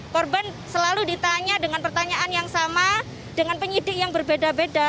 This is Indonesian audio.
korban selalu ditanya dengan pertanyaan yang sama dengan penyidik yang berbeda beda